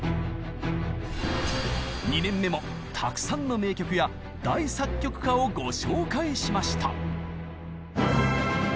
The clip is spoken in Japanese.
２年目もたくさんの名曲や大作曲家をご紹介しました。